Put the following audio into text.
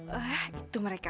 ah itu mereka